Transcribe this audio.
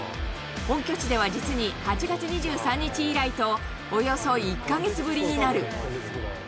本拠地では実に８月２３日以来と、およそ１か月ぶりになる。